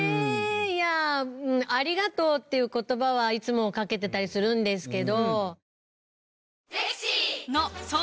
いやあうんありがとうっていう言葉はいつもかけてたりするんですけど。